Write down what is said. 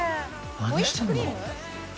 何してんの？